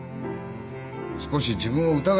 少し自分を疑え！